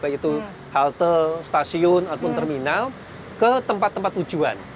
baik itu halte stasiun ataupun terminal ke tempat tempat tujuan